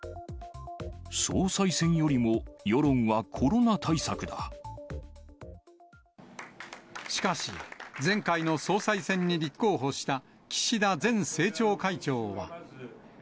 総裁選よりも世論はコロナ対しかし、前回の総裁選に立候補した岸田前政調会長は。